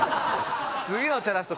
次のチャラッソ